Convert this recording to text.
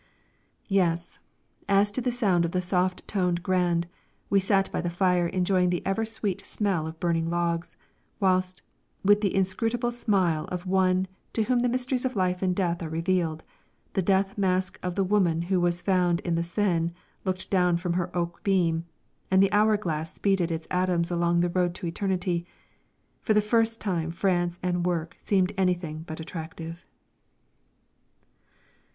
Yes, as to the sound of the soft toned grand we sat by the fire enjoying the ever sweet smell of burning logs, whilst, with the inscrutable smile of one to whom the mysteries of Life and Death are revealed, the death mask of the woman who was found in the Seine looked down from her oak beam, and the hour glass speeded its atoms along the road to eternity, for the first time France and work seemed anything but attractive.